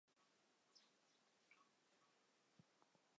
万历三十八年庚戌科第三甲第一百四十八名进士。